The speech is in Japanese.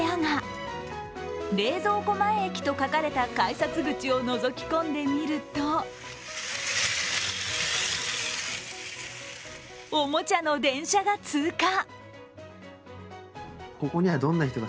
前駅と書かれた改札口をのぞき込んでみるとおもちゃの電車が通過。